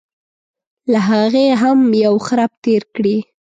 له هغې هم یو خرپ تېر کړي.